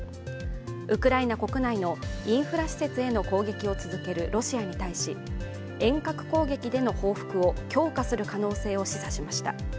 ウクライナ国内のインフラ施設への攻撃を続けるロシアに対し遠隔攻撃での報復を強化する可能性を示唆しました。